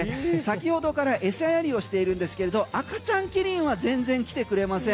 先ほどから餌やりをしているんですけど赤ちゃんキリンは全然来てくれません。